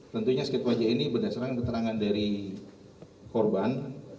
tentunya sket wajah ini berdasarkan keterangan dari korban